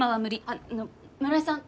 あの村井さん